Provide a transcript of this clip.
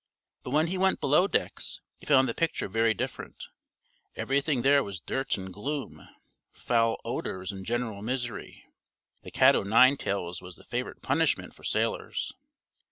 But when he went below decks he found the picture very different. Everything there was dirt and gloom, foul odors and general misery. The cat o' nine tails was the favorite punishment for sailors.